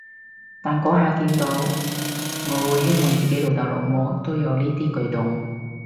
但嗰下見到，我會希望自己老豆老母都有呢啲舉動